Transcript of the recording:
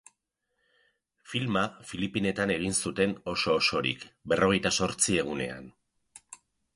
Filma Filipinetan egin zuten oso-osorik, berrogeita zortzi egunean.